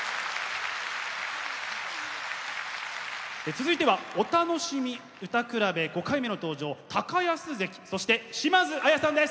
続いては「お楽しみ歌くらべ」５回目の登場安関そして島津亜矢さんです。